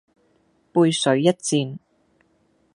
背水一戰